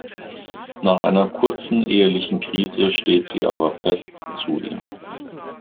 Nach einer kurzen ehelichen Krise steht sie aber fest zu ihm.